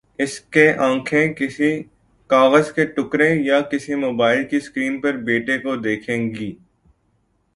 اس کے آنکھیں کسی کاغذ کے ٹکڑے یا کسی موبائل کی سکرین پر بیٹے کو دیکھیں گی۔